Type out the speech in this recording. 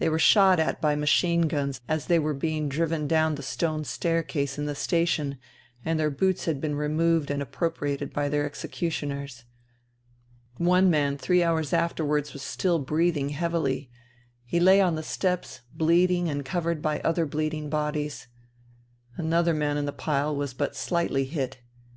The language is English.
They were shot at by machine guns as they were being driven down the stone staircase in the station, and their boots had been removed and appropriated by their executioners. One man three hours afterwards was still breathing heavily. He lay on the steps, bleeding, and covered by other bleeding bodies. Another man in the pile was but shghtly hit.